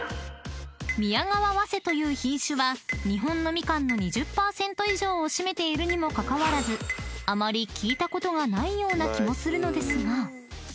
［宮川早生という品種は日本のみかんの２０％以上を占めているにもかかわらずあまり聞いたことがないような気もするのですが］